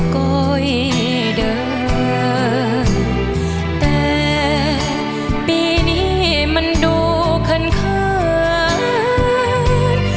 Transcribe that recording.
โกยเดินแต่ปีนี้มันดูขันขาด